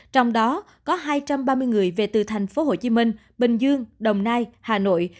trong đó có hai trăm ba mươi người về từ thành phố hồ chí minh bình dương đồng nai hà nội